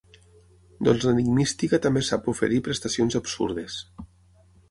Doncs l'enigmística també sap oferir prestacions absurdes.